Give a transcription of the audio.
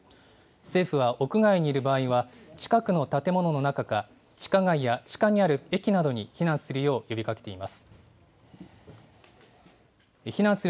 政府は屋外にいる場合は、近くの建物の中か、地下街や地下にある駅などに避難するよう呼びかけています。